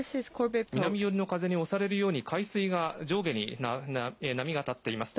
南寄りの風に押されるように、海水が上下に波が立っています。